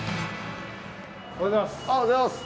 おはようございます。